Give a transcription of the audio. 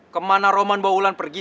kemana roman bawa wulan pergi